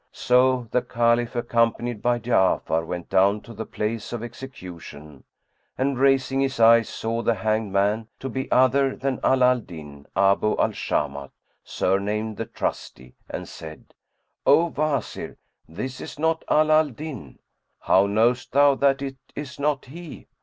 So the Caliph, accompanied by Ja'afar, went down to the place of execution and, raising his eyes, saw the hanged man to be other than Ala al Din Abu al Shamat, surnamed the Trusty, and said, "O Wazir, this is not Ala al Din!" "How knowest thou that it is not he?"